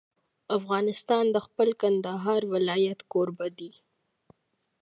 افغانستان د خپل کندهار ولایت کوربه دی.